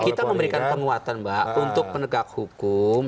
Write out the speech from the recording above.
kita memberikan penguatan mbak untuk penegak hukum